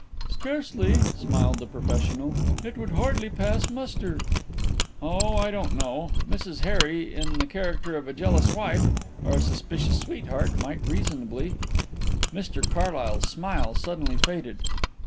"Scarcely," smiled the professional. "It would hardly pass muster." "Oh, I don't know. Mrs Harry, in the character of a jealous wife or a suspicious sweetheart, might reasonably " Mr Carlyle's smile suddenly faded.